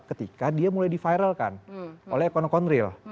ketika dia mulai di viralkan oleh account account real